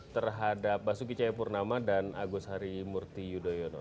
terhadap basuki cahayapurnama dan agus hari murti yudhoyama